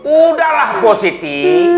udahlah bos siti